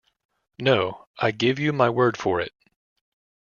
No; I give you my word for it.